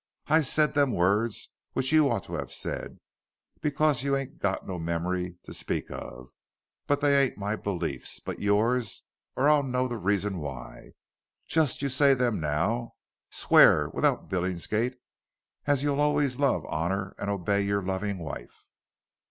"I said them words, which you oughter 'ave said, 'cause you ain't got no memory t' speak of. But they ain't my beliefs, but yours, or I'll know the reason why. Jes' you say them now. Swear, without Billingsgate, as you'll allays love, honor an' obey your lovin' wife."